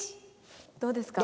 どうですか？